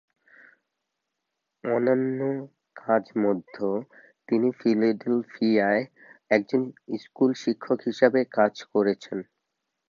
অন্যান্য কাজ মধ্যে, তিনি ফিলাডেলফিয়ায় একজন স্কুল শিক্ষক হিসেবে কাজ করেছেন।